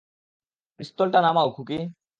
পিস্তলটা নামাও, খুকি।